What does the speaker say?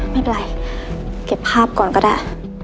ไม่เป็นไรเก็บภาพก่อนก็ได้